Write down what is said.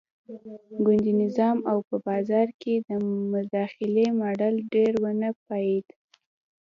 ګوندي نظام او په بازار کې د مداخلې ماډل ډېر ونه پایېد.